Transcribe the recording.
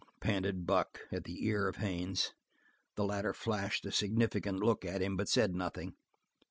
panted Buck at the ear of Haines. The latter flashed a significant look at him but said nothing.